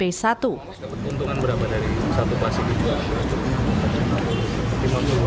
dapat untungan berapa dari satu plastik ini